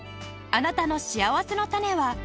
あなたのしあわせのたねは今どこに？